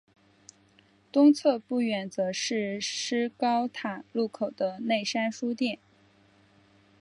东侧不远则是施高塔路口的内山书店。